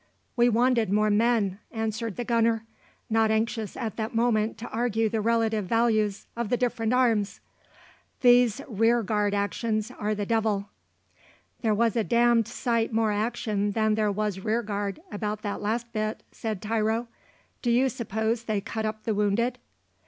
"We wanted more men," answered the Gunner, not anxious at that moment to argue the relative values of the different arms. "These rear guard actions are the devil." "There was a damned sight more action than there was rear guard about that last bit," said Tiro. "Do you suppose they cut up the wounded?"